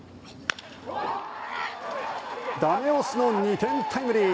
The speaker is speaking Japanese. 駄目押しの２点タイムリー。